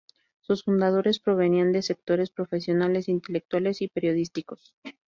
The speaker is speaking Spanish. Sus fundadores provenían de sectores profesionales, intelectuales y periodísticos.